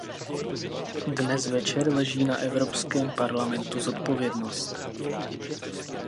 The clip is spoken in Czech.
Dnes večer leží na Evropském parlamentu zodpovědnost.